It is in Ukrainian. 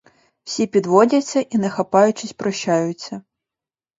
Всі підводяться і, не хапаючись, прощаються.